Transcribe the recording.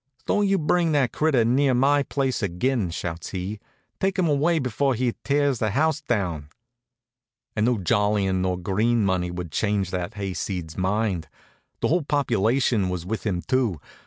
"Don't you bring that critter near my place ag'in!" shouts he. "Take him away before he tears the house down." An' no jollyin' nor green money would change that hayseed's mind. The whole population was with him too.